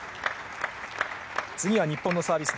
次が日本のサービス。